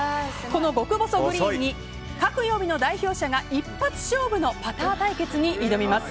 この極細グリーンに各曜日の代表者が一発勝負のパター対決に挑みます。